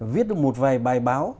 viết được một vài bài báo